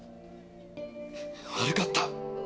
悪かった。